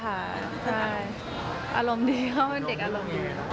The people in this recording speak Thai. ใช่อารมณ์ดีเขาเป็นเด็กอารมณ์ดี